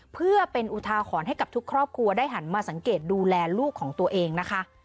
เพื่อเป็นอุทาหรณ์ให้กับทุกครอบครัวได้หันมาสังเกตดูแลลูกของตัวเองนะคะ